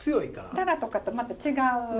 タラとかとまた違う味が。